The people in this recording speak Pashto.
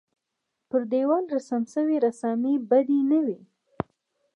پر دېوال رسم شوې رسامۍ بدې نه وې.